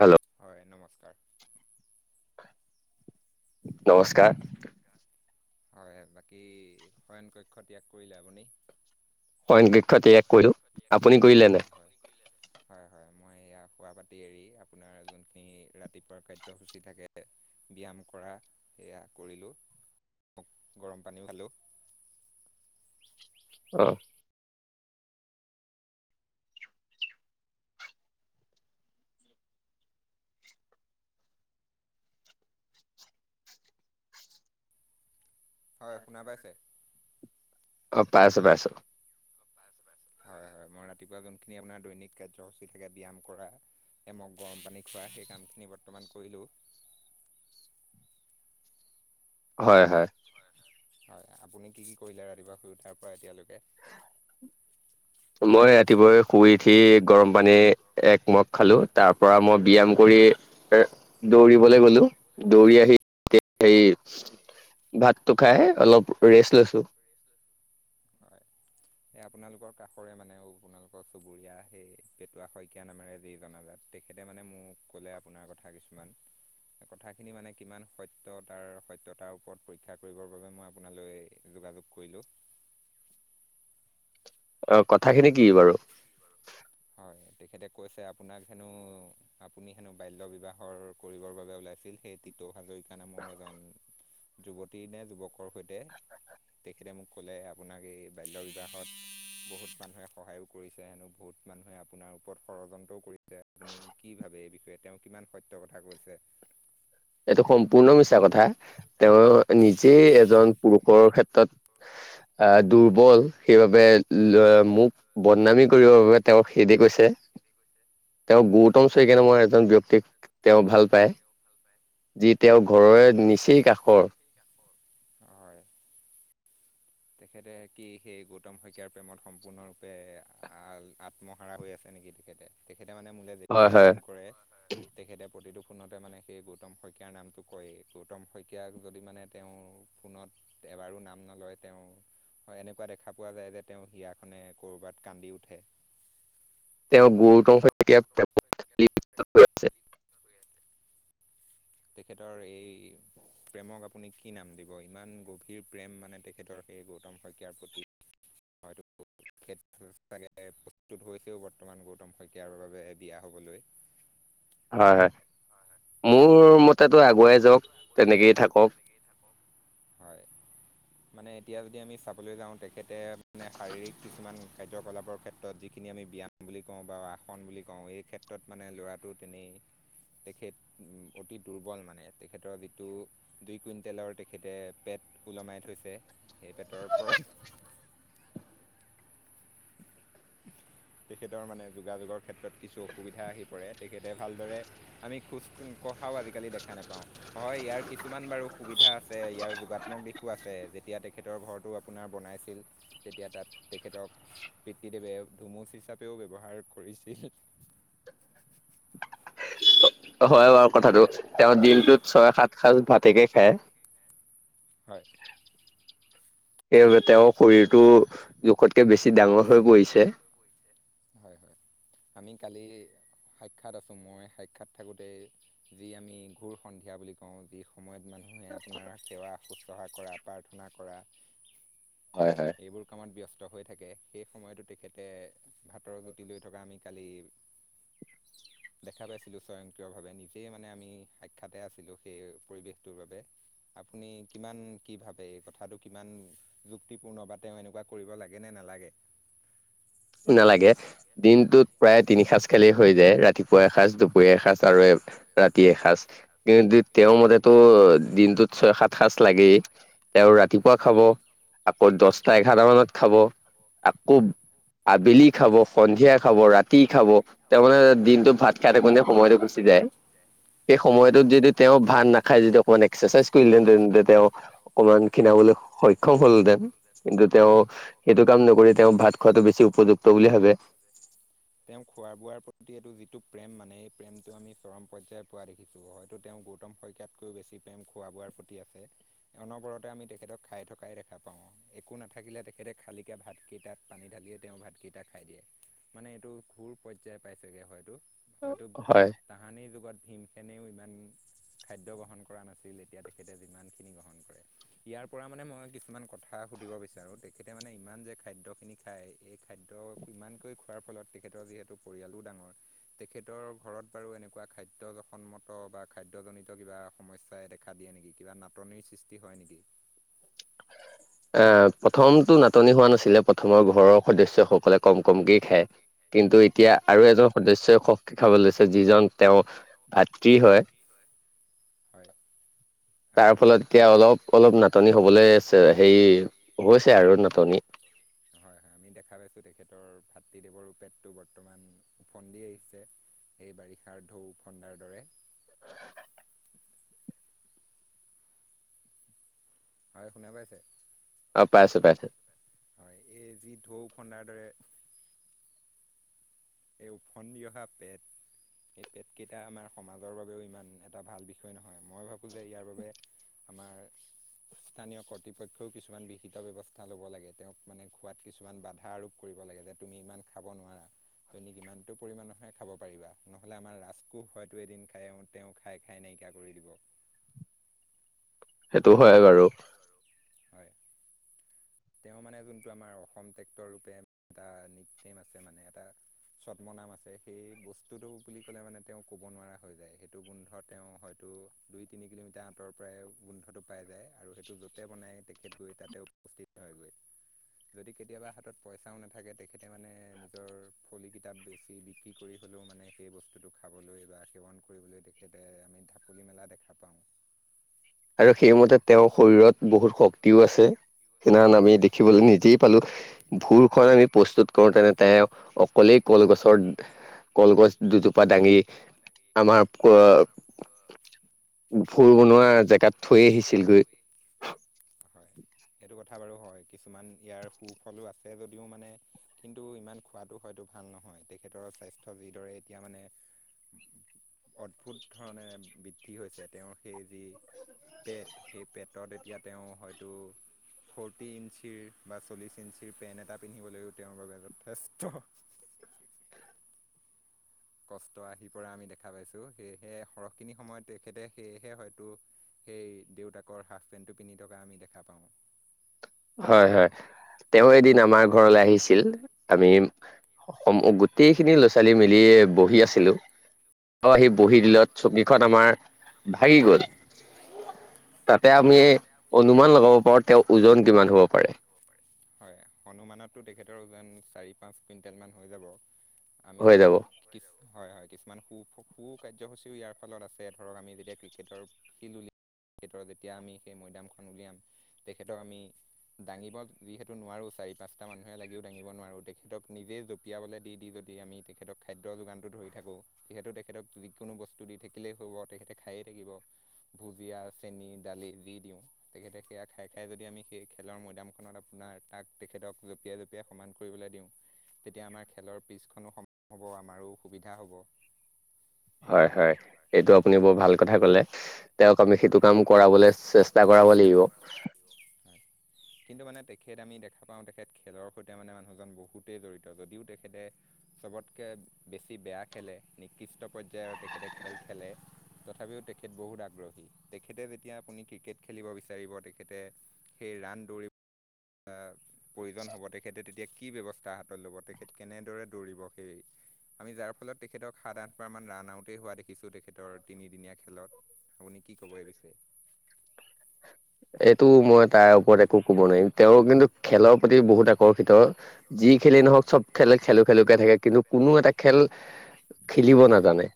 Hello হয় নমস্কাৰ। নমস্কাৰ হয় বাকী শয়ন কক্ষত ত্যাগ কৰিলে আপুনি পইক্ষ ত্যাগ কৰিলোঁ আপুনি কৰিলেনে? হয় হয় হয় মই এয়া খুৱা পাতি এৰি আপোনাৰ যোনখিনি ৰাতিপুৱা কাৰ্যসূচী থাকে। ব্যয়ায়াম কৰা সেয়া কৰিলো। মোক গৰম পানীও খালোঁ। অ। হয় শুনা পাইছে। পাইছোঁ পাইছোঁ হয় হয় মই ৰাতিপুৱা যোনখিনি আপোনাৰ দৈনিক কাৰ্যসূচী থাকে ব্যয়াম কৰা। এমগ গৰম পানী খোৱা সেই কামখিনি বৰ্তমান কৰিলোও হয় হয় হয় আপুনি কি কি কৰিলে ৰাতিপুৱা শুই উঠাৰ পৰা এতিয়ালৈকে? মই ৰাতিপুৱাই শুই উঠি গৰম পানী একমগ খালো, তাৰ পৰা মই ব্যায়াম কৰি এ দৌৰিবলৈ গলো দৌৰি আহি, হে ভাতটো খাই অলপ ৰেষ্ট লৈছো। হয় এ আপোনালোকৰ কাষৰে মানে আপোনালোকৰ চুবুৰীয়া সেই পেটুৱা শইকীয়া নামেৰে যি জনাজাত তেখেতে মানে মোক ক'লে আপোনাৰ কথা কিছুমান। কথাখিনি মানে কিমান সত্যয়তাৰ সত্যয়তাৰ ওপৰত পৰীক্ষা কৰিবৰ বাবে মই আপোনালৈ। যোগাযোগ কৰিলো। অ কথাখিনি কি বাৰু। হয় তেখেতে কৈছে আপোনাক হেনো আপুনি হেনো বাল্য বিবাহৰ কৰিবৰ বাবে ওলাইছিল সেই টিপ। উ হাজৰিকা নামৰ এজন যুৱতী নে যুৱকৰ সৈতে তেখেতে মোক ক'লে আপোনাক এই বাল্য বিবাহত বহুত মানুহে সহায়ো কৰিছে হেনো বহুত মানুহে আপোনাৰ ওপৰত ষড়যন্ত্ৰও কৰিছে আপুনি কি ভাবে এই বিষয়ে তেওঁ কি? ইমান সত্য কথা কৈছে। এইটো সম্পূৰ্ণ মিছা কথা, তেওঁ নিজেই এজন পুৰুষৰ ক্ষেত্ৰত আহ দুৰ্বল সেইবাবে মোক বদনামী কৰিবৰ বাবে তেওঁক হেদি কৈছে। কিতি কৈছে। তেওঁ গৌতম চৈকিয়া নামৰ এজন ব্যক্তিক তেওঁ ভাল পায়। যি তেওঁৰ ঘৰৰে নিচেই কাষৰ হয় তেখেতে কি সেই গৌতম শইকীয়াৰ প্ৰেমত সম্পূৰ্ণৰূপে আত্মহাৰা হৈ আছে নেকি? তেখেতে মানে মোলে হয় যেতিয়াই হয় ফোন কৰে তেখেতে মানে প্ৰতিটো। ফোনতে মানে সেই গৌতম শইকীয়াৰ নামটো কয়েই, গৌতম শইকীয়াক যদি মানে তেওঁ ফোনত এবাৰো নাম নলয় তেওঁ। এনেকুৱা দেখা পোৱা যায় যে তেওঁ হিয়াখনে ক'বাত কান্দি উঠে। তেওঁ গুৰুতম স আ তেখেতৰ এই প্ৰেমক আপুনি কি নাম দিব? ইমান গভীৰ প্ৰেম মানে তেখেতৰ। সেই গৌতম শইকীয়াৰ প্ৰতি হয়তো, খ চাগে প্ৰস্তুত হৈছেও বৰ্তমান গৌতম শইকীয়াৰ বাবে বিয়া হ'বলৈ হয় হয়, মোৰ ম তাতো আগুৱাই যাওক তেনেকেই থাকক। হয় মানে এতিয়া যদি আমি চাবলৈ যাওঁ তেখেতে মানে শাৰীৰিক কিছুমান কাৰ্যকলাপৰ ক্ষেত্ৰত যিখিনি আমি ব্যায়াম বুলি কওঁ বা আসন বুলি কওঁ এই ক্ষেত্ৰত মানে ল'ৰাটো তেনেই। তেখেত উ অতি দুৰ্বল মানে, তেখেতৰ যিতো দুই কুইণ্টেলৰ তেত তেখেতে পেট ওলমাই থৈছে, সেই পেটৰ ওপৰত [unintelligible] তেখেতৰ মানে যোগাযোগৰ ক্ষেত্ৰত কিছু অসুবিধা আহি পৰে তেখেতে ভালদৰে আমি খোজ পঢ়াও আজিকালি দেখা নাপাওঁ হয় ইয়াৰ কিছুমান বাৰু সুবিধা আছে ইয়াৰ যুগাত্মক দিশো আছে। তেতিয়া তেখেতৰ ঘৰটো আপোনাৰ বনাইছিল, তেতিয়া তাত তেখেতক এতি ধুমুচ হিচাপেও ব্যৱহাৰ কৰিছিল। হয় বাৰু কথাটো তেওঁ দিনটোত ছয় সাত সাঁজ ভাতেকে খায়। হয় সেইবাবে তেওঁৰ শৰীৰটো জোখতকে বেছি ডাঙৰ হৈ পৰিছে। হয় হয়, আমি কালি সাক্ষাৎ আছোঁ মই সাক্ষাৎ থাকোঁতেই যি আমি ঘূৰ সন্ধিয়া বুলি কওঁ যি সময়ত মানে। মানুহে আপোনাৰ সেৱা শুশ্ৰূষা কৰা, প্ৰাৰ্থনা কৰা, হয় হয় এইবোৰ কামত ব্যস্ত হৈ থাকে সেই সময়তো তেখেতে হাতৰ গুটি লৈ থকা আমি কালি দেখা পাইছিলো স্বয়ংক্ৰিয় আপুনি কিমান কি ভাবে এই কথাটো কিমান যুক্তিপূৰ্ণ বা তেওঁ এনেকুৱা কৰিব লাগে নে ন লাগে নালাগে দিনটোত প্ৰায় তিনি সাঁজ খালি হৈ যায় ৰাতিপুৱা এসাঁজ দুপৰীয়া এসাঁজ আৰু ৰাতিয় এসাঁজ, কিন্তু হয় তেওঁৰ মতেতটো দিনটোত ছয়, সাত সাঁজ লাগেই তেওঁ ৰাতিপুৱা খাব। আকৌ দহটা এঘাৰ মানত খাব আকৌ আবেলি খাব সন্ধিয়া। খাব ৰাতি খাব তাৰ মানে দিনটো ভাত খাই থাকোঁতে সময়টো গুচি যায়। সেই তেওঁ খোৱাৰ সময়তত প্ৰতি যদি তেওঁ ভাত নাখাই যদি অকণমান এক্সাৰচাইজ কৰিলেহেতেন, তেওঁ অকনমান খী সক্ষম হলহঁতেন কিন্তু তেওঁ সেইটো কাম নকৰি তেওঁ ভাত খোৱাতটো বেছি উপযুক্ত বুলি ভাবে। তেওঁক খোৱা বোৱাৰ প্ৰতি এইটো যিটো প্ৰেম মানে এই প্ৰেমটো আমি চৰম পৰ্যয়ায় পোৱা দেখিছো হয়তো তেওঁ। গৌতম শকয়াতকৈও বেছি প্ৰেম খোৱা বোৱাৰ প্ৰতি আছে, অনবৰতে আমি তেখেতক খাই থকাই দেখা পাওঁ। অঁ একো নাথাকিলে তেখেতে খালিকৈ ভাতকেইটাত পানী ঢালিয়ে তেওঁ ভাতকেইটা খাই দিয়ে। মানে এইটো ঘুৰ পৰ্যায় পাইছেগৈ হয়তো হয়তো হয় তাহানিৰ যুগত ভীমখেনেও ইমান। আন খাদ্য গ্ৰহণ কৰা নাছিল এতিয়া তেখেতে যিমান খিনি গ্ৰহণ কৰে ইয়াৰ পৰা মানে মই কিছুমান কথা সুধিব বিচাৰোঁ তেখেতে মানে ইমান যে খাদ্যখিনি খায়, এই খাদ্য ইমানকৈ খোৱাৰ ফলত তেখেতৰ যিহেতু পৰিয়ালো ডাঙৰ তেখেতৰ ঘৰত বাৰু এনেকুৱা খাদ্য জ সন্মত বা খাদ্যজনিত কিবা সমস্যাই দেখা দিয়ে নেকি, কিবা নাটনিৰ সৃষ্টি হয় নেকি? অ প্ৰথমটো নাটনি হোৱা নাছিলে প্ৰথমৰ ঘৰৰ সদস্যসকলে কম কমকেই খায়। কিন্তু এতিয়া হয়। আৰু এজন সদস্যয়ই কম খাব লৈছে। যিজন তেওঁ ভাতৃ হয়। হয়। তাৰ আমি ফলত এতিয়া অলপ অলপ নাটনি হ'বলৈছে হেৰি হৈছে আৰু। ধনি। হয় হয়। আমি দেখা পাইছোঁ তেখেতৰ ভাতৃদেৱৰপেটটো বৰ্তমান ওফন্দি আহিছে। এই বাৰিষাৰ ঢৌ ফন্দাৰ দৰে। [inaudible] হয় শুনা পাইছে? অ পাইছোঁ পাইছোঁ। হয় এই যি ঢৌ ফাডা দৰে। এই ফন্দি অহা পেট। এই পেট কেইটা আমাৰ সমাজৰ বাবেও ইমান এটা ভাল বিষয় নহয়, মই ভাবো ইয়াৰ বাবে আমাৰ। [unintelligible] স্থানীয় কৰ্তৃপক্ষইও কিছুমান বিহিত ব্যৱস্থা লব লাগে, তেওঁক মানে খোৱাত কিছুমান বাধা আৰোপ কৰিব। [unintelligible] লাগে যে তুমি ইমান খাব নোৱাৰা। তুমি কিমানটো পৰিমাণ নহয় খাব পাৰিবা, নহলে আমাৰ ৰাজকোহ হয়তো এদিন খাই তেওঁ খাই খাই ন [unintelligible] নিকা কৰি দিব সেইটো হয় বাৰু হয় তেওঁ মানে যোনটো আমাৰ অসম ট্ৰেক্টৰ ৰূপে এটা নিক নেম আছে মানে এটা চদ্মনাম আছে সেই বস্তুতটো বুলি ক'লে মানে তেওঁ ক'ব নোৱাৰা হৈ যায় সেইটো গোন্ধ তেওঁ হয়তো দুই তিনি কিলোমিটাৰ আঁতৰ পৰাই গোন্ধটো পাই যায় আৰু সেইটো য'তে বনাই। তেখেত গৈ তাতে উপস্থিত হয়গৈ। যদি কেতিয়াবা হাতত পইচাও নাথাকে তেখেতে মানে নিজৰ ফলি কিতাপ বেছি বিক্ৰী কৰি হ'লেও- মানে সেই বস্তুটো খাবলৈ বা সেৱন কৰিবলৈ তেখেতে আমি ঢাপলি মেলা দেখা পাওঁ। আৰু সেইমতে তেওঁৰ শৰীৰত বহুত শক্তিও আছে। সেইদিখন আমি দেখিবলৈ নিজেই পালো ভুলখন আমি প্ৰস্তুত কৰো তেনে তে অকলেই কলগছৰ কলগছ দুজোপা দাঙি আমাৰ ফুৰ বনোৱা যে। [unintelligible] থৈ আহিছিল গৈ হয় সেইটো কথা বাৰু হয় কিছুমান ইয়াৰ হয় তেখেতৰৰ স্বাস্থ্য যিদৰে এতিয়া মানে অদ্ভুত ধৰণে বৃদ্ধি হৈছে তেওঁৰ সেই যি। পেট সেই পেটত এতিয়া তেওঁ হয়তো ফৰ্টি ইঞ্চিৰ বা চল্লিশ ইঞ্চিৰ পেণ্ট এটা পিন্ধিবলৈও তেওঁৰ বাবে যথেষ্ট [inaudible] কষ্ট আহি পৰা আমি দেখা পাইছো সেয়েহে সৰহখিনি সময়ত তেখেতে সেয়েহে হয়তো। সেই দেউতাকৰ হাফ পেণ্টটো পিন্ধি থকা আমি দেখা পাওঁ হয় হয় তেওঁ এদিন আমাৰ ঘৰলৈ আহিছিল আমি অসম গোটেইখিনি ল'ৰা ছোৱালী মিলি বহি আছিলো আৰু আহি বহি দিলত- ছকিখন আমাৰ ভাগি গল [unintelligible] তাতে আমি অনুমান লগাব পাৰো তেওঁৰ ওজন কিমান হ'ব পাৰে। হয় হনুমানতটো তেখেতৰ ওজন চাৰি পাঁচ কুইণ্টেল মান হৈ যাব। আমি হৈ যাব কি হয় হয়। কিছুমান সু সু কাৰ্যসূচীও ইয়াৰ ফলত আছে ধৰক আমি যেতিয়া ক্ৰিকেটৰ খিল উল তেখেতৰ যেতিয়া আমি সেই মৈদামখন উলিয়াম তেখেতক আমি দাঙিব। যিহেতু নোৱাৰোঁ চাৰি পাঁচটা মানুহে লাগিও দাঙিব নোৱাৰোঁ তেখেতক নিজেই জপিয়াবলৈ দি দি যদি আমি তেখেতক খাদ্যৰ যোগানটো ধৰি থাকোঁ যিহেতু তেখেতক যিকোনো বস্তু দি থাকিলেই হ'ব তেখেতে খায়েই থাকিব। ভুজিয়া চেনি দালি যি দিওঁ তেখেতে সেয়া খাই খাই যদি আমি সেই খেলৰ মৈদামখনত আপোনাৰ তাক তেখেতক জপিয়াই জপিয়াই সমান কৰিবলৈ দিওঁ তেতিয়া আমাৰ খেলৰ পিছখনো সম হ'ব আমাৰো সুবিধা হ'ব। হয় হয় এইটো আপুনি বৰ ভাল কথা কলে তেওঁক আমি হয় সেইটো কাম কৰাবলৈ চেষ্টা কৰা। তবলিব। [unintelligible] হয় কিন্তু মানে- [unintelligible] তেখেত আমি দেখা পাওঁ তেখেত খেলৰ সৈতে মানে মানুহজন বহুতেই জড়িত যদিও তেখেতে চবতকৈ [unintelligible] বেছি বেয়া খেলে নিকৃষ্ট পৰ্যায়ৰ তেখেতে খেল খেলে তথাপিও তেখেত বহুত আগ়ত। তেখেতে যেতিয়া আপুনি ক্ৰিকেট খেলিব বিচাৰিব তেখেতে সেই ৰাণ দৌৰি প্ৰয়োজন হ'ব তেখেতে তেতিয়া কি ব্যৱস্থা হাতত ল'ব তেখেত কেনেদৰে দৌৰিব সেই। আমি যাৰ ফলত তেখেতক সাত আঠমাৰ মান ৰান আউটেই হোৱা দেখিছো তেখেতৰ তিনিদিনীয়া খেলত- [unintelligible] আপুনি কি ক'ব এই বিষয়ে? এইটো মই তাৰ ওপৰত একো কব নোৱাৰিম তেওঁ কিন্তু খেলৰ প্ৰতি বহুত আকৰ্ষিত। যি খেলি নহওক চব খেল খেলো খেলোকে থাকে কিন্তু কোনো এটা খেল খেলিব নাজানে।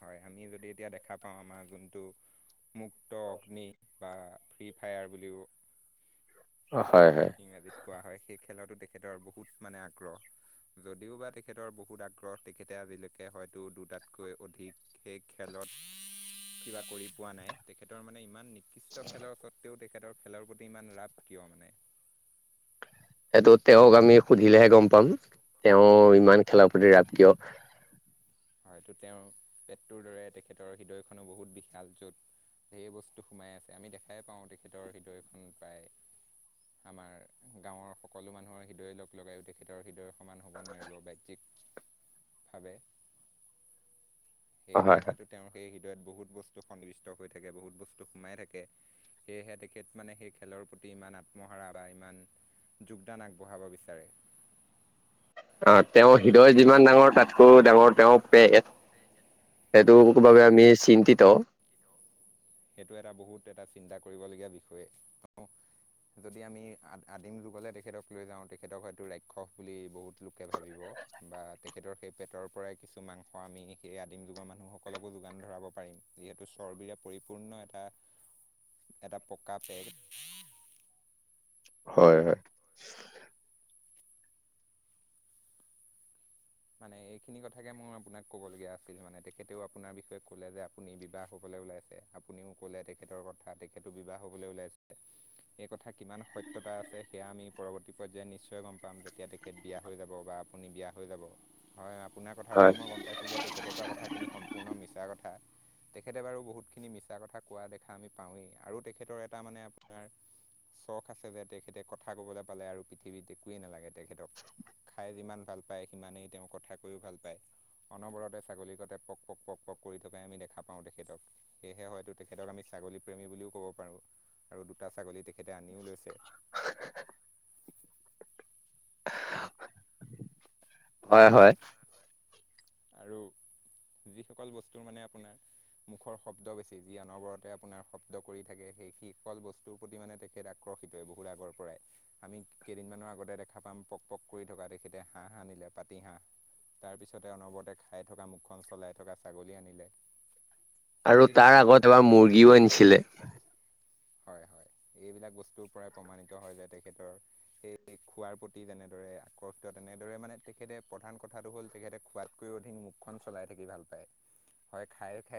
হয়। আমি যদি এতিয়া দেখা পাওঁ আমাৰ যোনটো মুক্ত অগ্নি বা ফ্ৰী ফায়াৰ বুলিও হয় - হয়। ইংৰাজীত কোৱা হয়, সেই খেলতো তেখেতৰ বহুত মানে আগ্ৰহ। যদিওবা তেখেতৰ বহুত আগ্ৰহ, তেখেতে আজিলৈকে হয়তো দুটাতকৈ অ ধিক সেই খেলত কিবা কৰি পোৱা নাই। তেখেতৰ মানে ইমান কৃষ্ট খেলৰ স্বত্বেও তেখেতৰ খেলৰ প্ৰতি ইমান ৰাপ কিয় মানে? সেইটো তেওঁক আমি সুধিলেহে গম পাম। তেওঁ ইমান খেলাৰ প্ৰতি ৰাপ কিয়? হয়তো তেওঁৰ পেটটোৰ দৰে তেখেতৰ হৃদয়খনো বহুত বিশাল, য'ত ঢেৰ বস্তু সোমাই আছে। আমি দেখাই পাওঁ তেখেতৰ হৃদয়খন প্ৰায় আমাৰ গাঁৱৰ সকলো মানুহৰ হৃদয়ে লগ লগাইয়ো তেখেতৰ হৃদয়ৰ সমান হ'ব নোৱাৰিব। বাহ্যিক ভাবে, সেয়েহে হয় হয় হয়তো তেওঁৰ সেই টোৱে বহুত বস্তু সন্নিৱিষ্ট হৈ থাকে, বহুত বস্তু সোমাই থাকে। সেয়েহে তেখেত মানে সেই খেলৰ প্ৰতি ইমান আত্মহাৰা বা ইমান যোগদান আগবঢ়াব বিচাৰে। অ' তেওঁৰ হৃদয় যিমান ডাঙৰ তাতকৈ ডাঙৰ তেওঁ পেট সেইটো হয় হয় বাবে আমি চিন্তিত। সেইটো এটা বহুত এটা চিন্তা কৰিবলগীয়া বিষয়ে। আৰু যদি আমি আদিম যুগলে তেখেতক লৈ যাওঁ, তেখেতক হয়তো ৰাক্ষস বুলি বহুত লোকে ভাবিব। বা তেখেতৰ সেই পেটৰ পৰাই কিছু মাংস আমি সেই আদিম যুগৰ মানুহসকলকো যোগান ধৰাব পাৰিম। যিহেতু চৰ্বিৰে পৰি পূৰ্ণ এটা- এটা পকা পে হয় - হয়। মানে এইখিনি কথাকে মোৰ আপোনাক ক'বলগীয়া আছিল মানে। তেখেতেও আপোনাৰ বিষয়ে ক'লে যে আপুনি বিবাহ হ'বলৈ ওলাইছে। আপুনিও ক'লে তেখেতৰ কথা। তেখেতো বিবাহ হবলৈ ওলাইছে। এই কথা কিমান সত ত্যতা আছে, সেয়া আমি পৰৱৰ্তী পৰ্যায়ত নিশ্চয় গম পাম, যেতিয়া তেখেত বিয়া হৈ যাব বা আপুনি বিয়া হৈ যাব। হয়, আপোনাৰ কথাৰ পৰা হয় মই গম পাইছোঁ যে তেখেতে কোৱা কথাখিনি সম্পূৰ্ণ মিছা কথা। তেখেতে বাৰু বহুতখিনি মিছা কথা কোৱা দেখা আমি পাওঁৱেই। আৰু তেখেতৰ এটা মানে আপোনাৰ শ্বখ আছে যে, তেখেতে কথা কবলৈ পালে আৰু পৃথিৱীত একোৱেই নালাগে তেখেতক। খাই যিমান ভাল পায়, সিমানেই তেওঁ কথা কৈও ভাল পায়। অনবৰতে ছাগলী কতে পক - পক - পক - পক কৰি থকা আমি দেখা পাওঁ তেখেতক। সেয়েহে হয়তো তেখেতক আমি ছাগলীপ্ৰেমী বুলিও ক'ব পাৰোঁ। আৰু দুটা ছাগলী তেখেতে আনিও লৈছে। [unintelligible] হয় - হয়। আৰু যিসকল বস্তুৰ মানে আপোনাৰ মুখৰ শব্দ বেছি, যি অনবৰতে আপোনাৰ শব্দ কৰি থাকে, সেই শি- ফল বস্তুৰ প্ৰতি মানে তেখেত আকৰ ৰ্ষিত বহুত আগৰ পৰাই। আমি কেইদিনমানৰ আগতে দেখা পাম পক - পক কৰি থকা তেখেতে হাঁহ আনিলে পাতিহাঁহ, তাৰপিছতে অনবৰতে খাই থকা মুখখন চলাই থকা ছাগলী আনিলে। সেই আৰু তাৰ আগত এবাৰ মুৰ্গীও আনিছিলে। হয় - হয়। এইবিলাক বস্তুৰ পৰাই প্ৰমাণিত হয় যে তেখেতৰ সেই খোৱাৰ প্ৰতি যেনেদৰে আকৰ্ষিত তেনেদৰে মানে তেখেতে- প্ৰধান কথাটো হ'ল তেখেতে খোৱাতকৈও অধিক মুখখন চলাই থাকি ভাল পায়। হয়, খায়ো খাই